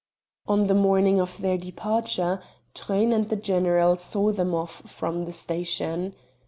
On the morning of their departure Truyn and the general saw them off from the station.